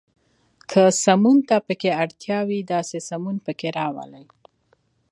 که سمون ته پکې اړتیا وي، داسې سمون پکې راولئ.